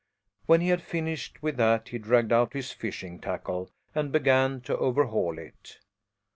When he had finished with that he dragged out his fishing tackle and began to overhaul it.